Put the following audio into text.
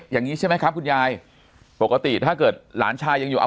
อย่างนี้ใช่ไหมครับคุณยายปกติถ้าเกิดหลานชายยังอยู่เอา